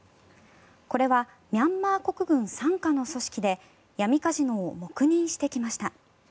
これはミャンマー国軍傘下の組織で闇カジノを黙認してきました。